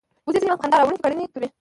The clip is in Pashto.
وزې ځینې وخت په خندا راوړونکې کړنې کوي